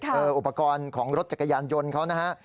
อุปกรณ์ของรถจักรยานยนต์เขานะฮะ